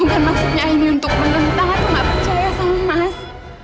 bukan maksudnya ini untuk menentang atau mempercayai mas